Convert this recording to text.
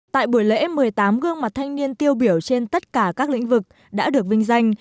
tại buổi lễ một mươi tám gương mặt thanh niên tiêu biểu trên tất cả các lĩnh vực đã được vinh danh